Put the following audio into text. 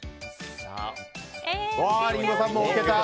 リンゴさんも置けた。